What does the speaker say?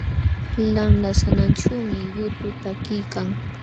Lanla sananćhuumi yutu takiykan.